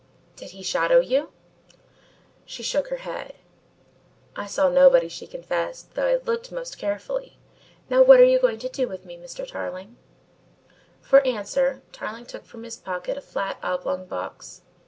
Did he shadow you?" She shook her head. "I saw nobody," she confessed, "though I looked most carefully. Now what are you going to do with me, Mr. Tarling?" For answer, Tarling took from his pocket a flat oblong box.